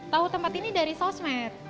tahu tempat ini dari sosmed